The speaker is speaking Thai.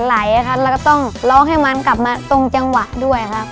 ไหลครับแล้วก็ต้องร้องให้มันกลับมาตรงจังหวะด้วยครับ